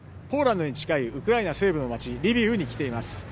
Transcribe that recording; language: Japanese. ポーランドに近いウクライナ西部の町リビウに来ています。